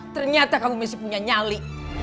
ternyata kamu masih punya nyali